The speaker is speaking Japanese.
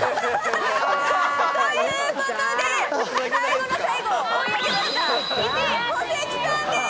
最後の最後追い上げました、１位小関さんです